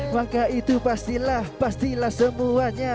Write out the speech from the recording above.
maka itu pastilah pastilah semuanya